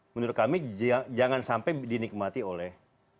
menurut kami jangan sampai dinikmati oleh